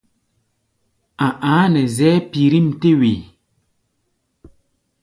A̧ a̧á̧ nɛ zɛ́ɛ́ pirím-tɛ́-wee.